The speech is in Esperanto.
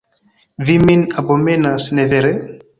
Vi min abomenas, ne vere?